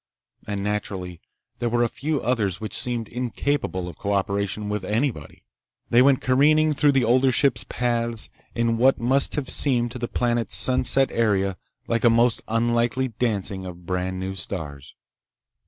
And naturally there were a few others which seemed incapable of co operation with anybody. They went careening through the other ships' paths in what must have seemed to the planet's sunset area like a most unlikely dancing of brand new stars.